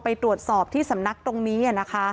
ไปตรวจสอบที่สำนักตรงนี้นะคะ